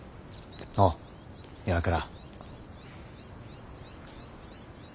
おう岩倉。